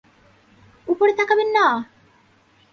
উপরে তাকাবেন না!